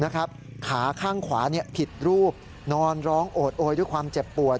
ขาข้างขวาผิดรูปนอนร้องโอดโอยด้วยความเจ็บปวด